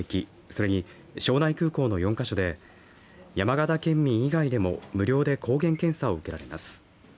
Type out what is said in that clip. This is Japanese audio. それに庄内空港の４か所で山形県民以外でも無料で抗原検査を受けられます。